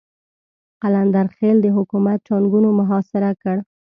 قلندر خېل د حکومت ټانګونو محاصره کړ.